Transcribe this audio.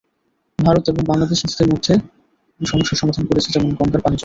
ভারত এবং বাংলাদেশ নিজেদের মধ্যে সমস্যা সমাধান করেছে, যেমন গঙ্গার পানিচুক্তি।